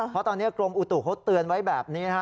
เพราะตอนนี้กรมอุตุเขาเตือนไว้แบบนี้นะฮะ